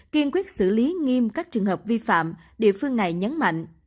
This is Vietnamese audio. kiên quyết xử lý nghiêm các trường hợp vi phạm địa phương này nhấn mạnh